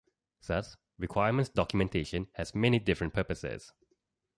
Thus, requirements documentation has many different purposes.